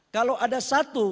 kalau ada satu